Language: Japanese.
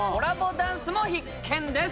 ダンスも必見です！